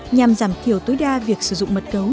nhằm giảm thiểu tối đa việc sử dụng mật cấu